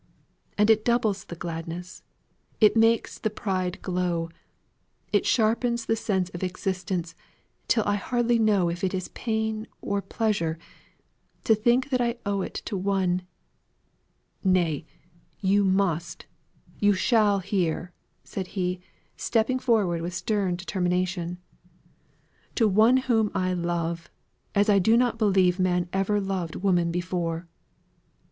And it doubles the gladness, it makes the pride glow, it sharpens the sense of existence till I hardly know if it is pain or pleasure to think that I owe it to one nay, you must, you shall hear," said he, stepping forward with stern determination "to one whom I love, as I do not believe man ever loved woman before."